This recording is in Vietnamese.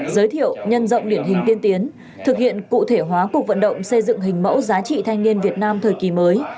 giới thiệu nhân rộng điển hình tiên tiến thực hiện cụ thể hóa cuộc vận động xây dựng hình mẫu giá trị thanh niên việt nam thời kỳ mới